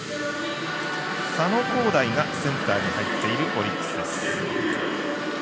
佐野皓大がセンターに入っているオリックスです。